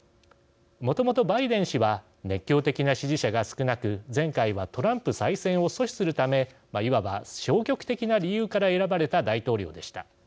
もともとバイデン氏は熱狂的な支持者が少なく前回はトランプ再選を阻止するためいわば消極的な理由から選ばれた大統領でした。